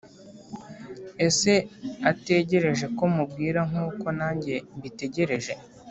Ese ategerereje ko mubwira nkuko nanjye mbitegereje